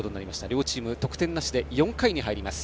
両チーム得点なしで４回に入ります。